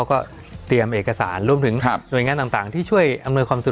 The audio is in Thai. ก็เตรียมเอกสารรวมถึงหน่วยงานต่างที่ช่วยอำนวยความสุข